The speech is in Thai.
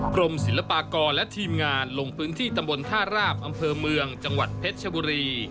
กรมศิลปากรและทีมงานลงพื้นที่ตำบลท่าราบอำเภอเมืองจังหวัดเพชรชบุรี